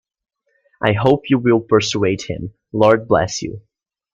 I hope you will persuade him, Lord bless you.